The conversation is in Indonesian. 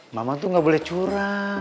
mama tuh gak boleh curah